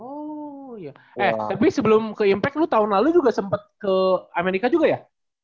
oh iya eh tapi sebelum ke impact lo tahun lalu juga sempat ke amerika juga ya